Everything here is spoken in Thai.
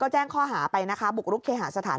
แจ้งข้อหาไปนะคะบุกรุกเคหาสถาน